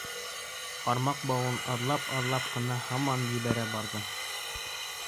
Ҡармаҡ бауын аҙлап-аҙлап ҡына һаман ебәрә барҙы.